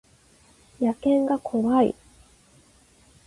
野犬が怖い